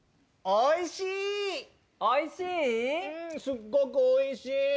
おいしい！